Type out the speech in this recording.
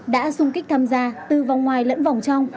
đã xung kích tham gia từ vòng ngoài lẫn vòng trong